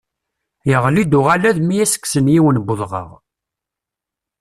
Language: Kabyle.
Yeɣli-d uɣalad mi as-d-kksen yiwen n udɣaɣ.